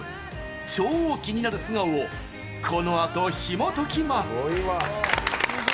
超気になる素顔をこのあと、ひもときます！